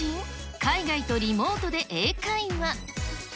海外とリモートで英会話。